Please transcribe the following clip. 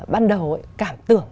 ban đầu cảm tưởng